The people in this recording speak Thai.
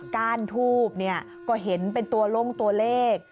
้านทูบก็เห็นเป็นตัวลงตัวเลข